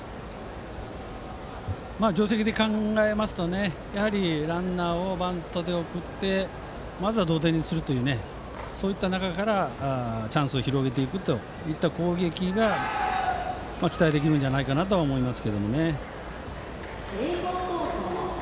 定石で考えますとランナーをバントで送ってまず同点にするというその中からチャンスを広げていくという攻撃が期待できるんじゃないかなと思います。